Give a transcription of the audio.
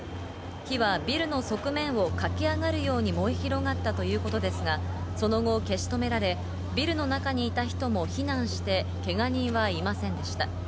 火はビルの側面を駆け上がるように燃え広がったということですが、その後、消し止められ、ビルの中にいた人も避難して、けが人はいませんでした。